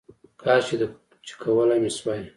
کاشکې چې کولی مې شوای